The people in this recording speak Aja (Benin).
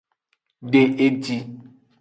De eji.